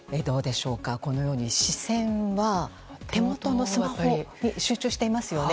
このように視線は手元のスマホに集中していますよね。